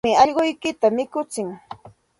Paymi allquykita mikutsin.